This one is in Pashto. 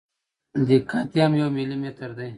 دقت یې هم یو ملي متر دی.